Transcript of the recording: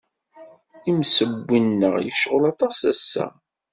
Imsewwi-nneɣ yecɣel aṭas ass-a.